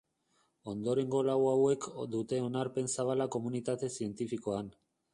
Ondorengo lau hauek dute onarpen zabala komunitate zientifikoan.